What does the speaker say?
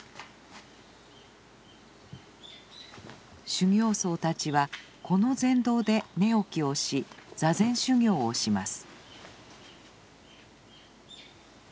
修行僧たちはこの禅堂で寝起きをし坐禅修行をします。